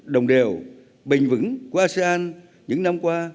đồng đều bình vững của asean những năm qua